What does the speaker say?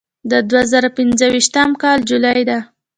د دوه زره پنځه ویشتم کال جولای ده.